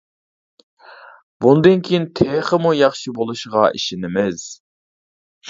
بۇندىن كىيىن تېخىمۇ ياخشى بولۇشىغا ئىشىنىمىز.